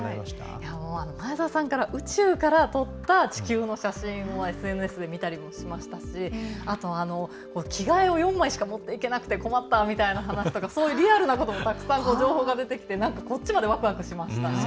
前澤さんが宇宙から撮った地球の写真をＳＮＳで見たりもしましたしあとは、着替えを４枚しか持っていけなくて困ったみたいな話とかそういうリアルなことも情報が出てきてなんか、こっちまでわくわくしました。